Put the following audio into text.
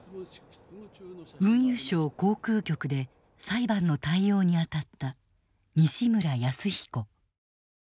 運輸省航空局で裁判の対応に当たった西村泰彦。